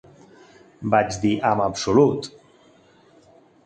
Vaig dir "En absolut!"